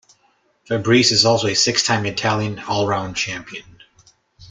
Fabris is also a six-time Italian Allround Champion.